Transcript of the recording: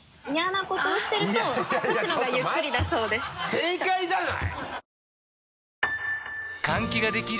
正解じゃない！